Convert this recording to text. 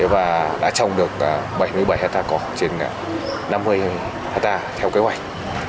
và đã trồng được bảy mươi bảy hectare cỏ trên năm mươi hectare theo kế hoạch